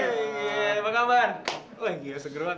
wah gila seger banget